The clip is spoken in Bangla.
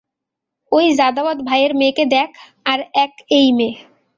ওই জাদাওয়াত ভাইয়ের মেয়েকে দেখ, আর এক এই মেয়ে।